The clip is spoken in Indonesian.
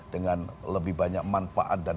dengan lebih banyak manfaat dan